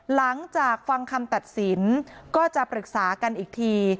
หลังจากฟังคำตัดสินก็จะปรึกษากันอีกที